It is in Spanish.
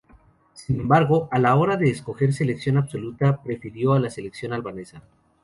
Sin embargo, a la hora de escoger selección absoluta prefirió a la selección albanesa.